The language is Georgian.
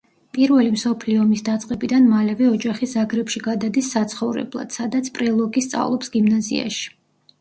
პირველი მსოფლიო ომის დაწყებიდან მალევე ოჯახი ზაგრებში გადადის საცხოვრებლად, სადაც პრელოგი სწავლობს გიმნაზიაში.